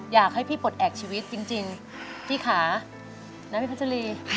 อยากให้พี่ปลดแอบชีวิตจริงพี่ขานะพี่พัชรี